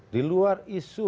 di luar isu